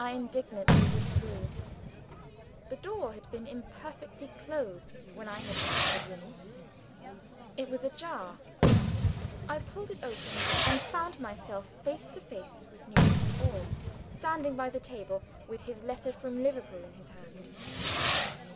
I indignantly withdrew. The door had been imperfectly closed when I had entered the room: it was ajar. I pulled it open and found myself face to face with Nugent Dubourg, standing by the table, with his letter from Liverpool in his hand!